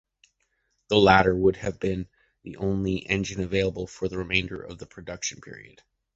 The latter would have been the only engine available for the remainder of the production period.